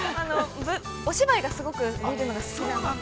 ◆お芝居が、すごく見るのが好きなので。